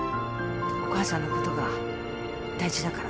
お母さんのことが大事だから。